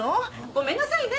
ごめんなさいね。